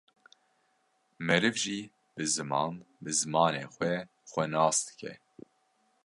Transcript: Meriv jî bi ziman, bi zimanê xwe xwe nas dike